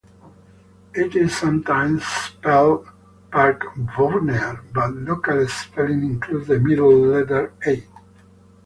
It is sometimes spelt Parkvonear, but local spelling includes the middle letter 'a'.